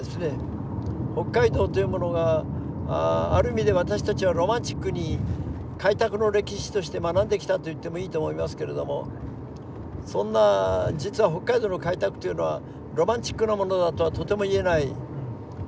北海道というものがある意味で私たちはロマンチックに開拓の歴史として学んできたと言ってもいいと思いますけれどもそんな実は北海道の開拓というのはロマンチックなものだとはとても言えない。